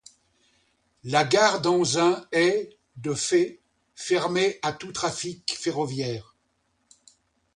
La gare d'Anzin est, de fait, fermée à tout trafic ferroviaire.